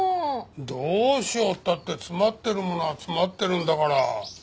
どうしようったって詰まってるものは詰まってるんだから。